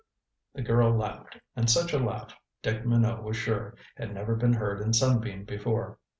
The girl laughed, and such a laugh, Dick Minot was sure, had never been heard in Sunbeam before.